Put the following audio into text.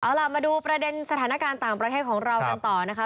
เอาล่ะมาดูประเด็นสถานการณ์ต่างประเทศของเรากันต่อนะคะ